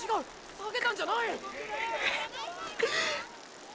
下げたんじゃない！！ッ！！